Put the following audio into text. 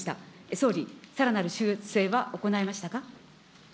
総理、さらなる修正は行いましたか。